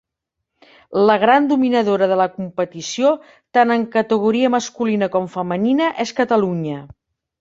La gran dominadora de la competició, tant en categoria masculina com femenina, és Catalunya.